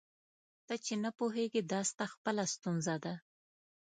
ته چي نه پوهېږې دا ستا خپله ستونزه ده.